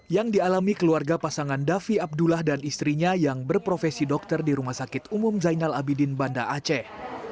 yang dialami keluarga pasangan davi abdullah dan istrinya yang berprofesi dokter di rumah sakit umum zainal abidin banda aceh